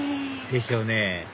でしょうね